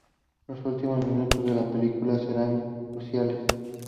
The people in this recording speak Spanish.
Los últimos minutos de la película serán cruciales.